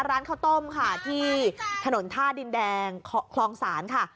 ร้านข้าวต้มค่ะที่ถนนท่าดินแดงคลองศาลค่ะ